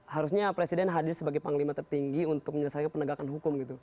harusnya presiden hadir sebagai panglima tertinggi untuk menyelesaikan penegakan hukum gitu